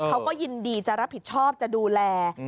เขาก็ยินดีจะรับผิดชอบจะดูแล